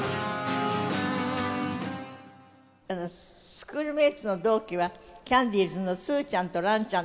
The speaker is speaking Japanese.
スクールメイツの同期はキャンディーズのスーちゃんとランちゃんだったんだって？